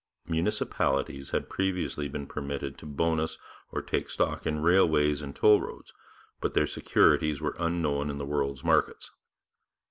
Municipalities had previously been permitted to bonus or take stock in railways and toll roads, but their securities were unknown in the world's markets.